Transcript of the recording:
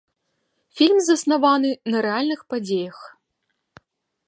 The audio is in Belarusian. Фільм заснаваны на рэальных падзеях.